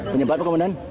penyebat apa komandan